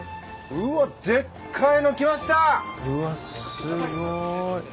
うわすごい。